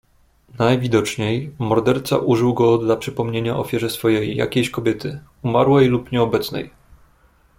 "Najwidoczniej morderca użył go dla przypomnienia ofierze swojej jakiejś kobiety umarłej lub nieobecnej."